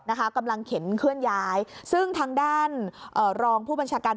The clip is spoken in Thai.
กำลังเข็นเคลื่อนย้ายซึ่งทางด้านเอ่อรองผู้บัญชาการ